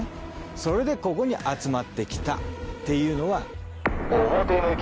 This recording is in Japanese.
それでここに集まってきたっていうのは。